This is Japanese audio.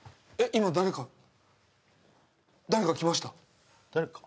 今誰か誰か来ました誰か？